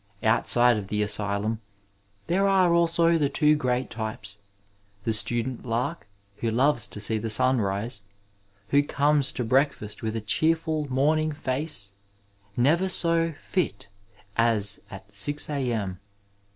Outside of the asylum there are also the two great types, the student lark who loves to see the sun rise, who comes to breakfast with a cheerful morning face, never so fit '. as at 6 a.m.